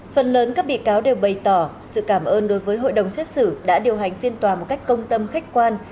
phần lớn các bị cáo đều bày tỏ sự cảm ơn đối với hội đồng xét xử đã điều hành phiên tòa một cách công tâm khách quan